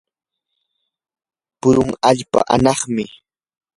purun allpa anaqmi.